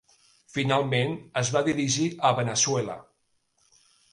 Finalment es va dirigir a Veneçuela.